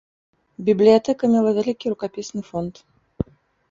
Бібліятэка мела вялікі рукапісны фонд.